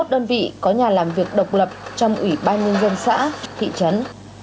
năm mươi một đơn vị có nhà làm việc độc lập trong ủy ban nhân dân xã thị trấn